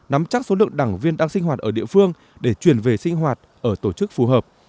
nắm chắc số lượng đảng viên đang sinh hoạt ở địa phương để chuyển về sinh hoạt ở tổ chức phù hợp